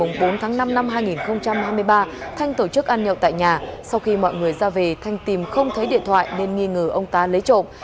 ngày bốn tháng năm năm hai nghìn hai mươi ba thanh tổ chức ăn nhậu tại nhà sau khi mọi người ra về thanh tìm không thấy điện thoại nên nghi ngờ ông tá lấy trộm